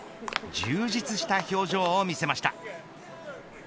充実した表情を見せました。